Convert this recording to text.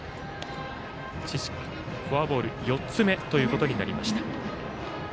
フォアボール４つ目ということになりました。